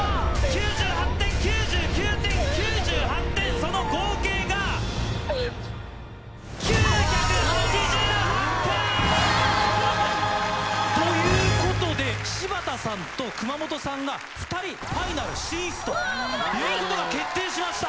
その合計が？ということで柴田さんと熊本さんがファイナル進出ということが決定しました。